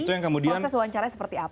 proses wawancaranya seperti apa